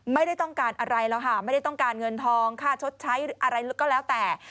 ไม่ได้ต้องการอะไรแล้วค่ะไม่ได้ต้องการเงินทองค่าชดใช้อะไรก็แล้วแต่